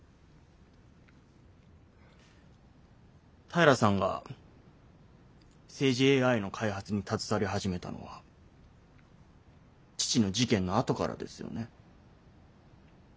平さんが政治ＡＩの開発に携わり始めたのは父の事件のあとからですよね？